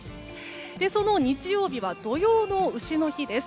その日曜日は土用の丑の日です。